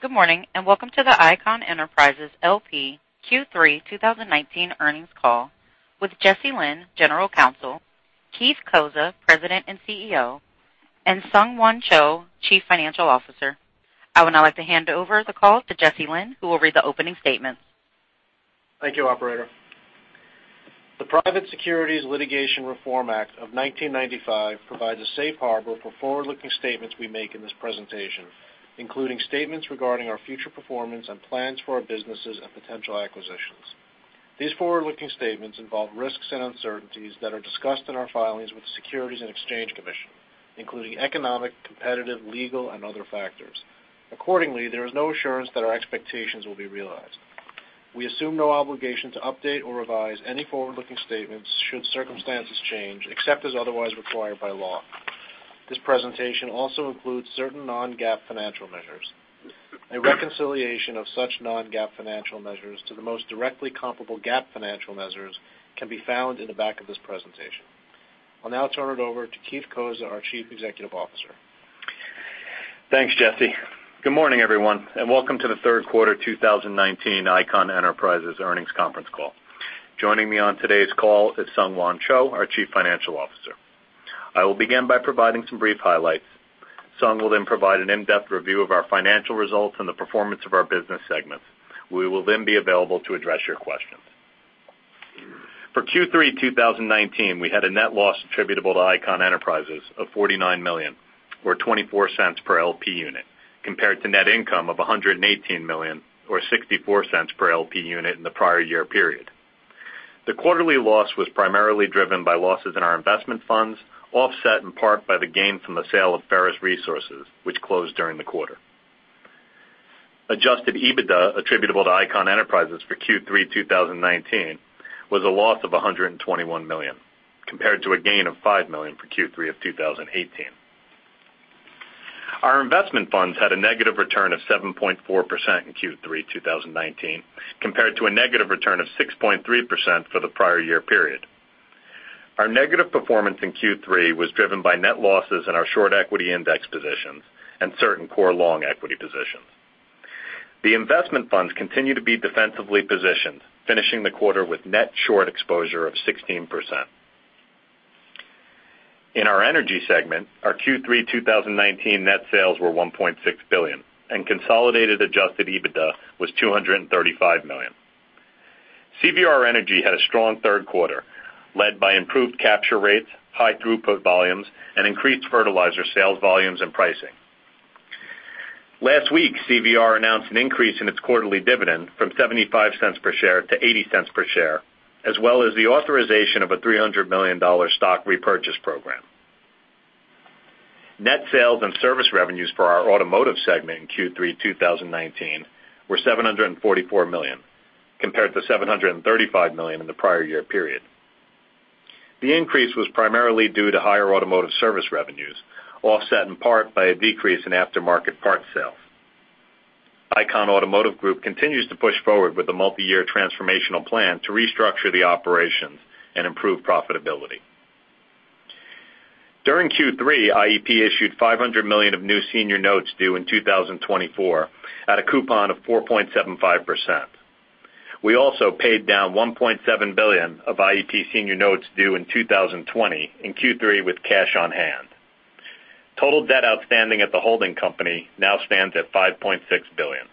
Good morning. Welcome to the Icahn Enterprises L.P. Q3 2019 earnings call with Jesse Lynn, General Counsel, Keith Cozza, President and CEO, and SungHwan Cho, Chief Financial Officer. I would now like to hand over the call to Jesse Lynn, who will read the opening statement. Thank you, operator. The Private Securities Litigation Reform Act of 1995 provides a safe harbor for forward-looking statements we make in this presentation, including statements regarding our future performance and plans for our businesses and potential acquisitions. These forward-looking statements involve risks and uncertainties that are discussed in our filings with the Securities and Exchange Commission, including economic, competitive, legal, and other factors. Accordingly, there is no assurance that our expectations will be realized. We assume no obligation to update or revise any forward-looking statements should circumstances change, except as otherwise required by law. This presentation also includes certain non-GAAP financial measures. A reconciliation of such non-GAAP financial measures to the most directly comparable GAAP financial measures can be found in the back of this presentation. I'll now turn it over to Keith Cozza, our Chief Executive Officer. Thanks, Jesse. Good morning, everyone, and welcome to the third quarter 2019 Icahn Enterprises earnings conference call. Joining me on today's call is SungHwan Cho, our Chief Financial Officer. I will begin by providing some brief highlights. Sung will then provide an in-depth review of our financial results and the performance of our business segments. We will then be available to address your questions. For Q3 2019, we had a net loss attributable to Icahn Enterprises of $49 million, or $0.24 per LP unit, compared to net income of $118 million, or $0.64 per LP unit in the prior year period. The quarterly loss was primarily driven by losses in our investment funds, offset in part by the gain from the sale of Ferrous Resources, which closed during the quarter. Adjusted EBITDA attributable to Icahn Enterprises for Q3 2019 was a loss of $121 million, compared to a gain of $5 million for Q3 of 2018. Our investment funds had a negative return of 7.4% in Q3 2019, compared to a negative return of 6.3% for the prior year period. Our negative performance in Q3 was driven by net losses in our short equity index positions and certain core long equity positions. The investment funds continue to be defensively positioned, finishing the quarter with net short exposure of 16%. In our energy segment, our Q3 2019 net sales were $1.6 billion, and consolidated adjusted EBITDA was $235 million. CVR Energy had a strong third quarter, led by improved capture rates, high throughput volumes, and increased fertilizer sales volumes and pricing. Last week, CVR announced an increase in its quarterly dividend from $0.75 per share to $0.80 per share, as well as the authorization of a $300 million stock repurchase program. Net sales and service revenues for our Automotive segment in Q3 2019 were $744 million, compared to $735 million in the prior year period. The increase was primarily due to higher automotive service revenues, offset in part by a decrease in aftermarket parts sales. Icahn Automotive Group continues to push forward with a multi-year transformational plan to restructure the operations and improve profitability. During Q3, IEP issued $500 million of new senior notes due in 2024 at a coupon of 4.75%. We also paid down $1.7 billion of IEP senior notes due in 2020 in Q3 with cash on hand. Total debt outstanding at the holding company now stands at $5.6 billion.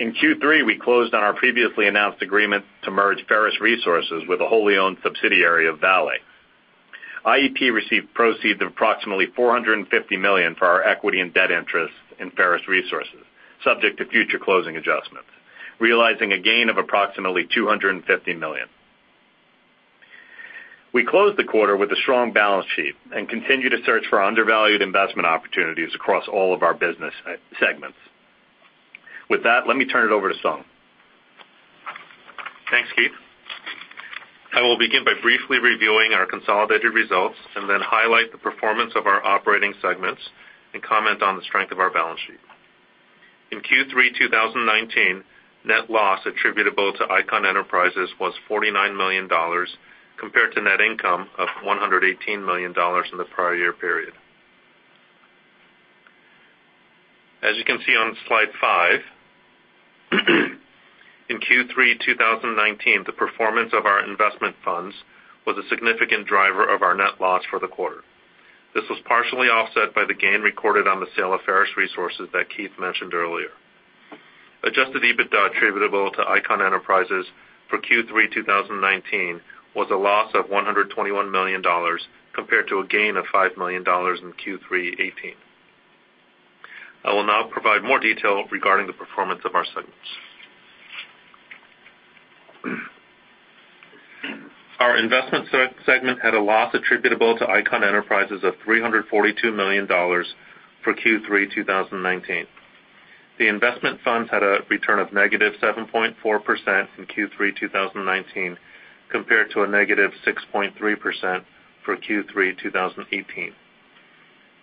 In Q3, we closed on our previously announced agreement to merge Ferrous Resources with a wholly owned subsidiary of Vale S.A. IEP received proceeds of approximately $450 million for our equity and debt interest in Ferrous Resources, subject to future closing adjustments, realizing a gain of approximately $250 million. We closed the quarter with a strong balance sheet and continue to search for undervalued investment opportunities across all of our business segments. With that, let me turn it over to Sung. Thanks, Keith. I will begin by briefly reviewing our consolidated results and then highlight the performance of our operating segments and comment on the strength of our balance sheet. In Q3 2019, net loss attributable to Icahn Enterprises was $49 million, compared to net income of $118 million in the prior year period. As you can see on slide five, in Q3 2019, the performance of our investment funds was a significant driver of our net loss for the quarter. This was partially offset by the gain recorded on the sale of Ferrous Resources that Keith mentioned earlier. Adjusted EBITDA attributable to Icahn Enterprises for Q3 2019 was a loss of $121 million, compared to a gain of $5 million in Q3 2018. I will now provide more detail regarding the performance of our segments. Our investment segment had a loss attributable to Icahn Enterprises of $342 million for Q3 2019. The investment funds had a return of negative 7.4% in Q3 2019, compared to a negative 6.3% for Q3 2018.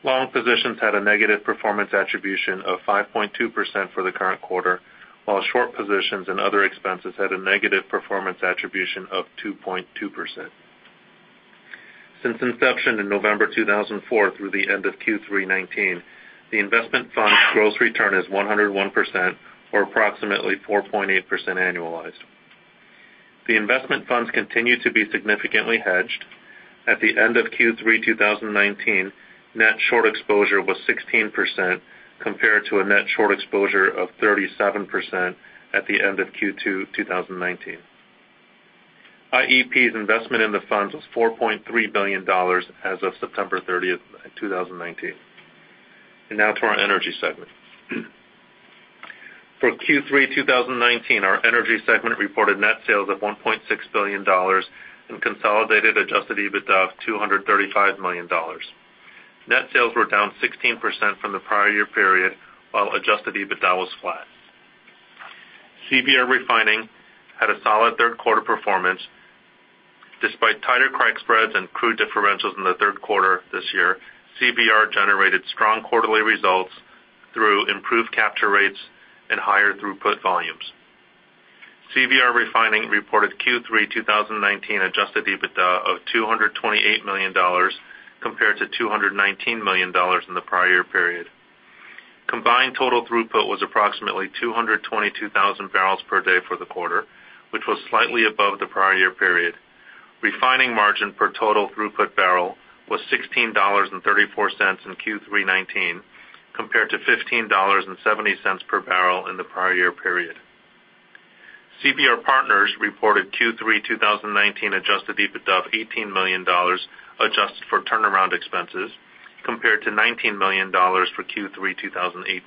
Long positions had a negative performance attribution of 5.2% for the current quarter, while short positions and other expenses had a negative performance attribution of 2.2%. Since inception in November 2004 through the end of Q3 2019, the investment fund's gross return is 101%, or approximately 4.8% annualized. The investment funds continue to be significantly hedged. At the end of Q3 2019, net short exposure was 16%, compared to a net short exposure of 37% at the end of Q2 2019. IEP's investment in the funds was $4.3 billion as of September 30th, 2019. Now to our energy segment. For Q3 2019, our energy segment reported net sales of $1.6 billion and consolidated adjusted EBITDA of $235 million. Net sales were down 16% from the prior year period, while adjusted EBITDA was flat. CVR Refining had a solid third quarter performance. Despite tighter crack spreads and crude differentials in the third quarter this year, CVR generated strong quarterly results through improved capture rates and higher throughput volumes. CVR Refining reported Q3 2019 adjusted EBITDA of $228 million compared to $219 million in the prior year period. Combined total throughput was approximately 222,000 barrels per day for the quarter, which was slightly above the prior year period. Refining margin per total throughput barrel was $16.34 in Q3 '19, compared to $15.70 per barrel in the prior year period. CVR Partners reported Q3 2019 adjusted EBITDA of $18 million, adjusted for turnaround expenses, compared to $19 million for Q3 2018.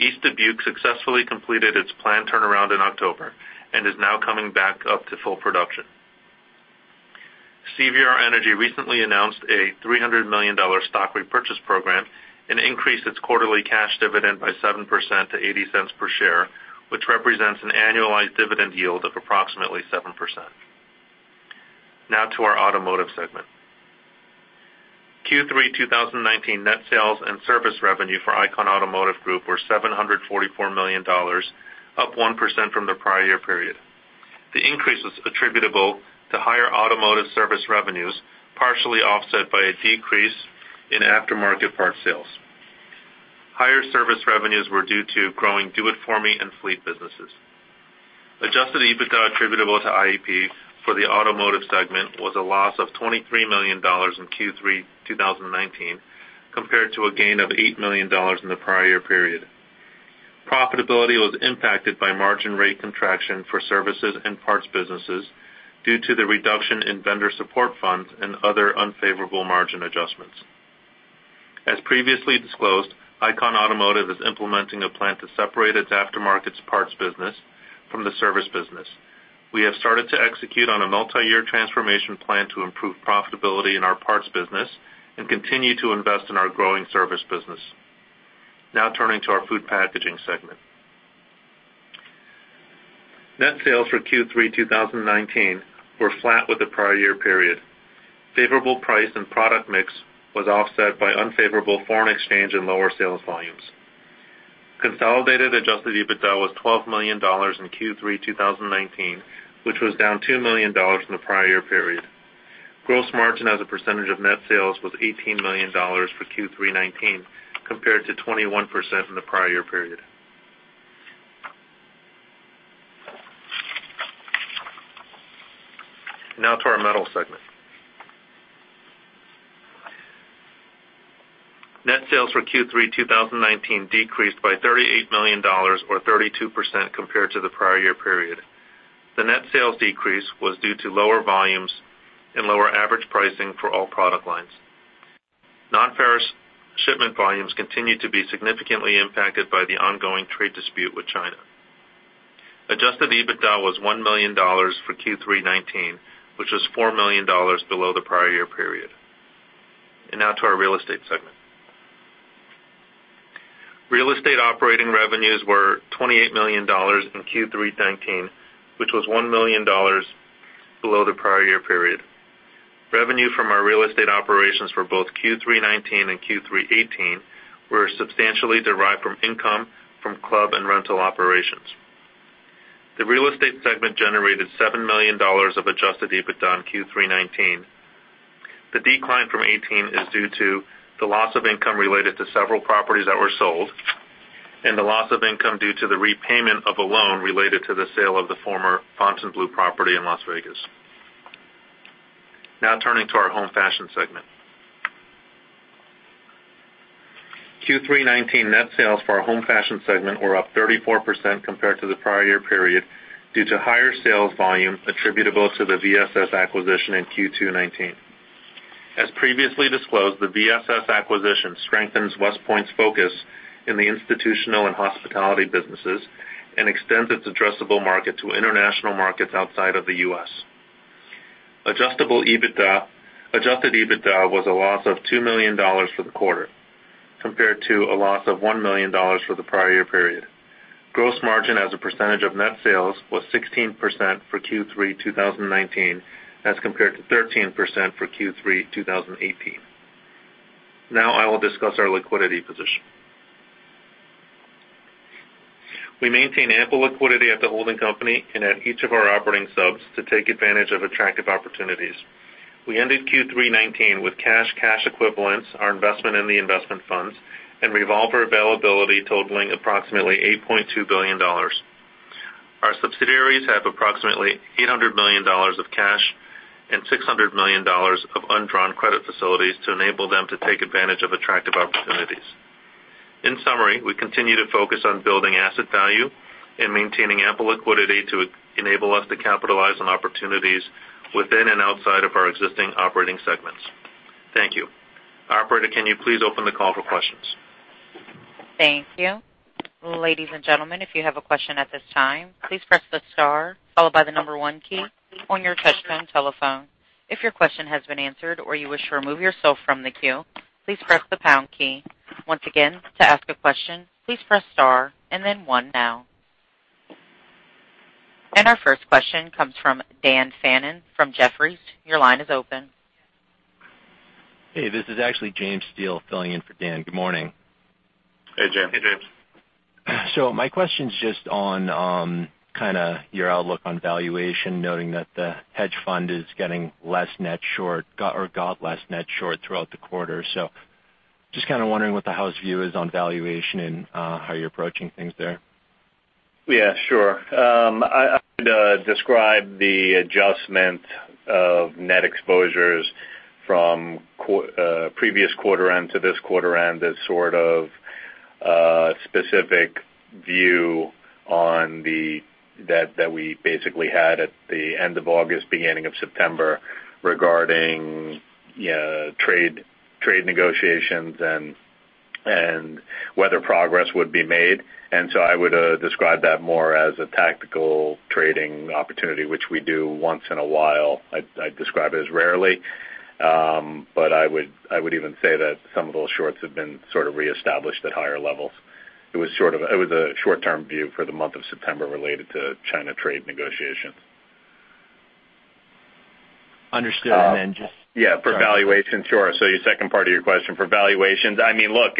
East Dubuque successfully completed its planned turnaround in October and is now coming back up to full production. CVR Energy recently announced a $300 million stock repurchase program and increased its quarterly cash dividend by 7% to $0.80 per share, which represents an annualized dividend yield of approximately 7%. To our automotive segment. Q3 2019 net sales and service revenue for Icahn Automotive Group were $744 million, up 1% from the prior year period. The increase was attributable to higher automotive service revenues, partially offset by a decrease in aftermarket parts sales. Higher service revenues were due to growing do it for me and fleet businesses. Adjusted EBITDA attributable to IEP for the automotive segment was a loss of $23 million in Q3 2019, compared to a gain of $8 million in the prior year period. Profitability was impacted by margin rate contraction for services and parts businesses due to the reduction in vendor support funds and other unfavorable margin adjustments. As previously disclosed, Icahn Automotive is implementing a plan to separate its aftermarket parts business from the service business. We have started to execute on a multi-year transformation plan to improve profitability in our parts business and continue to invest in our growing service business. Now turning to our food packaging segment. Net sales for Q3 2019 were flat with the prior year period. Favorable price and product mix was offset by unfavorable foreign exchange and lower sales volumes. Consolidated adjusted EBITDA was $12 million in Q3 2019, which was down $2 million in the prior year period. Gross margin as a percentage of net sales was $18 million for Q3 2019, compared to 21% in the prior year period. Now to our metals segment. Net sales for Q3 2019 decreased by $38 million or 32% compared to the prior year period. The net sales decrease was due to lower volumes and lower average pricing for all product lines. Non-ferrous shipment volumes continued to be significantly impacted by the ongoing trade dispute with China. Adjusted EBITDA was $1 million for Q3 '19, which was $4 million below the prior year period. Now to our real estate segment. Real estate operating revenues were $28 million in Q3 '19, which was $1 million below the prior year period. Revenue from our real estate operations for both Q3 '19 and Q3 '18 were substantially derived from income from club and rental operations. The real estate segment generated $7 million of adjusted EBITDA in Q3 '19. The decline from 2018 is due to the loss of income related to several properties that were sold and the loss of income due to the repayment of a loan related to the sale of the former Fontainebleau property in Las Vegas. Turning to our home fashion segment. Q3 2019 net sales for our home fashion segment were up 34% compared to the prior year period due to higher sales volume attributable to the VSS acquisition in Q2 2019. As previously disclosed, the VSS acquisition strengthens WestPoint's focus in the institutional and hospitality businesses and extends its addressable market to international markets outside of the U.S. Adjusted EBITDA was a loss of $2 million for the quarter, compared to a loss of $1 million for the prior year period. Gross margin as a percentage of net sales was 16% for Q3 2019 as compared to 13% for Q3 2018. Now I will discuss our liquidity position. We maintain ample liquidity at the holding company and at each of our operating subs to take advantage of attractive opportunities. We ended Q3 2019 with cash equivalents, our investment in the investment funds, and revolver availability totaling approximately $8.2 billion. Our subsidiaries have approximately $800 million of cash and $600 million of undrawn credit facilities to enable them to take advantage of attractive opportunities. In summary, we continue to focus on building asset value and maintaining ample liquidity to enable us to capitalize on opportunities within and outside of our existing operating segments. Thank you. Operator, can you please open the call for questions? Thank you. Ladies and gentlemen, if you have a question at this time, please press the star followed by the number 1 key on your touch-tone telephone. If your question has been answered or you wish to remove yourself from the queue, please press the pound key. Once again, to ask a question, please press star and then 1 now. Our first question comes from Dan Fannon from Jefferies. Your line is open. Hey, this is actually James Steele filling in for Dan. Good morning. Hey, James. Hey, James. My question's just on your outlook on valuation, noting that the hedge fund is getting less net short or got less net short throughout the quarter. Just kind of wondering what the house view is on valuation and how you're approaching things there. Yeah, sure. I would describe the adjustment of net exposures from previous quarter end to this quarter end as sort of a specific view on the debt that we basically had at the end of August, beginning of September, regarding trade negotiations and whether progress would be made. I would describe that more as a tactical trading opportunity, which we do once in a while. I'd describe it as rarely. I would even say that some of those shorts have been sort of reestablished at higher levels. It was a short-term view for the month of September related to China trade negotiations. Understood. Yeah, for valuations, sure. Your second part of your question, for valuations, look,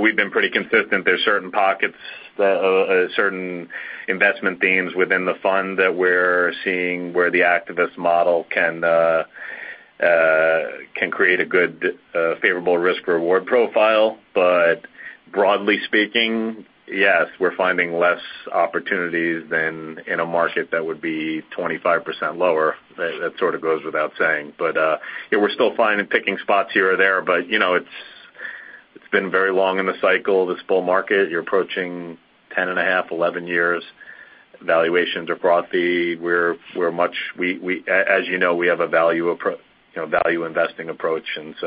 we've been pretty consistent. There's certain pockets, certain investment themes within the fund that we're seeing where the activist model can create a good favorable risk-reward profile. Broadly speaking, yes, we're finding less opportunities than in a market that would be 25% lower. That sort of goes without saying. We're still finding and picking spots here or there, but it's been very long in the cycle. This bull market, you're approaching 10 and a half, 11 years. Valuations are frothy. As you know, we have a value investing approach, it's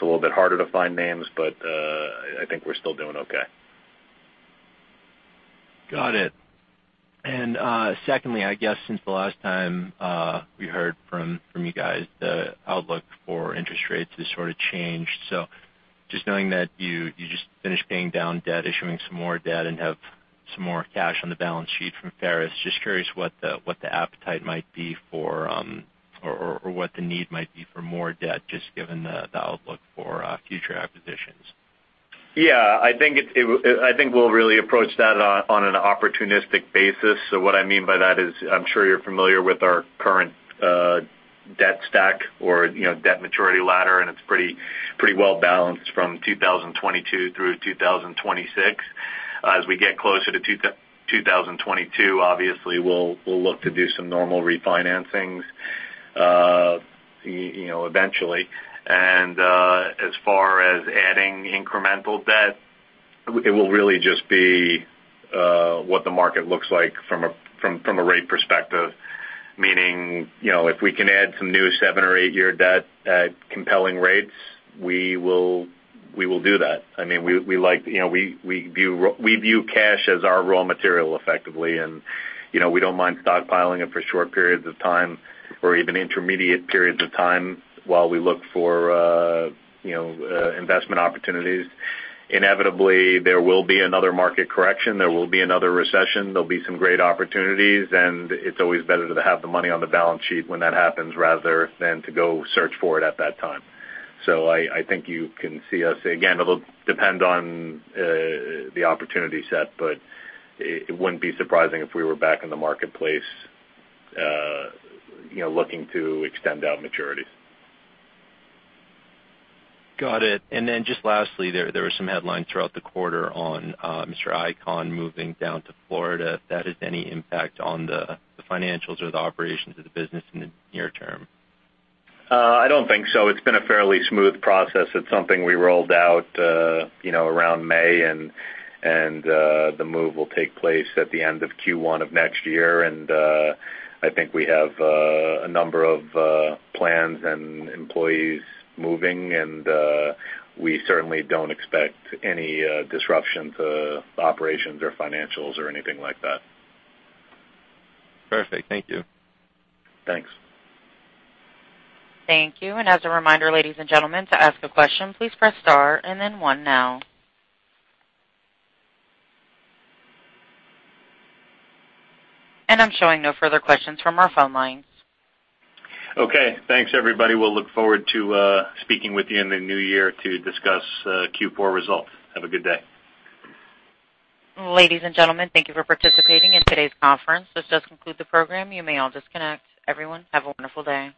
a little bit harder to find names, I think we're still doing okay. Got it. Secondly, I guess since the last time we heard from you guys, the outlook for interest rates has sort of changed. Just knowing that you just finished paying down debt, issuing some more debt, and have some more cash on the balance sheet from Ferrous, just curious what the appetite might be for or what the need might be for more debt, just given the outlook for future acquisitions. I think we'll really approach that on an opportunistic basis. What I mean by that is I'm sure you're familiar with our current debt stack or debt maturity ladder, and it's pretty well balanced from 2022 through 2026. As we get closer to 2022, obviously we'll look to do some normal refinancings eventually. As far as adding incremental debt, it will really just be what the market looks like from a rate perspective. Meaning, if we can add some new seven or eight-year debt at compelling rates, we will do that. We view cash as our raw material effectively, and we don't mind stockpiling it for short periods of time or even intermediate periods of time while we look for investment opportunities. Inevitably, there will be another market correction. There will be another recession. There'll be some great opportunities, and it's always better to have the money on the balance sheet when that happens rather than to go search for it at that time. I think you can see us, again, it'll depend on the opportunity set, but it wouldn't be surprising if we were back in the marketplace looking to extend out maturities. Got it. Just lastly, there were some headlines throughout the quarter on Mr. Icahn moving down to Florida. If that has any impact on the financials or the operations of the business in the near term? I don't think so. It's been a fairly smooth process. It's something we rolled out around May, and the move will take place at the end of Q1 of next year. I think we have a number of plans and employees moving, and we certainly don't expect any disruption to operations or financials or anything like that. Perfect. Thank you. Thanks. Thank you. As a reminder, ladies and gentlemen, to ask a question, please press star and then one now. I'm showing no further questions from our phone lines. Okay, thanks everybody. We'll look forward to speaking with you in the new year to discuss Q4 results. Have a good day. Ladies and gentlemen, thank you for participating in today's conference. This does conclude the program. You may all disconnect. Everyone, have a wonderful day.